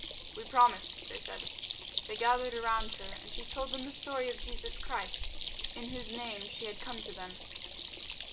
"We promise," they said. They gathered around her and she told them the story of Jesus Christ in whose name she had come to them.